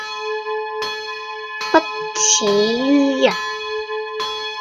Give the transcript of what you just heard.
不齒於人